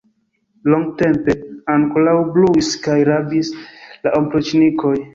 Longtempe ankoraŭ bruis kaj rabis la opriĉnikoj.